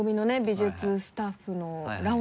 美術スタッフのら